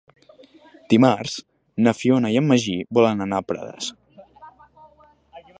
Dimarts na Fiona i en Magí volen anar a Prades.